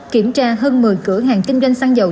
kiểm tra hơn một mươi cửa hàng kinh doanh xăng dầu